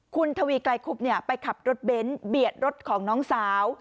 คุณทวีไกลคุบไปขับรถเบนท์เบียดรถของน้องสาว